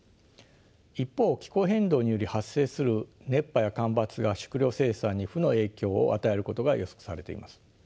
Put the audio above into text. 一方気候変動により発生する熱波や干ばつが食糧生産に負の影響を与えることが予測されています。